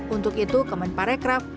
untuk itu kemenparekraf